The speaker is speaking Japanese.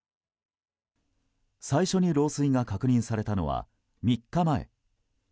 最初に漏水が確認されたのは３日前。